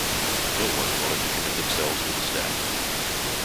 No one wanted to commit themselves to the staff.